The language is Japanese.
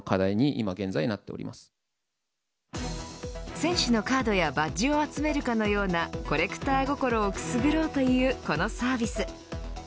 選手のカードやバッジを集めるかのようなコレクター心をくすぐろうというこのサービス。